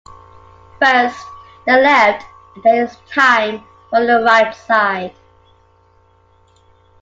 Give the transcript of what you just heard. First the left and then it’s time for the right side.